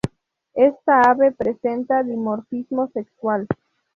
Esta ave presenta dimorfismo sexual.